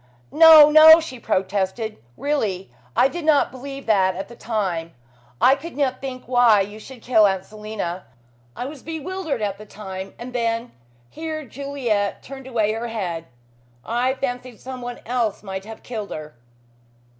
"No, no!" she protested. "Really, I did not believe that at the time. I could not think why you should kill Aunt Selina. I was bewildered at the time and then " here Juliet turned away her head, "I fancied someone else might have killed her."